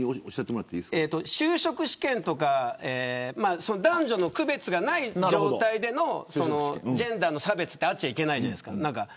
就職試験とか男女の区別がない状態でのジェンダーの差別はあっちゃいけないじゃないですか。